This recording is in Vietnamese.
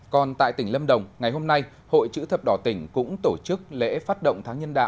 còn tại tỉnh lâm đồng ngày hôm nay hội chữ thập đỏ tỉnh cũng tổ chức lễ phát động tháng nhân đạo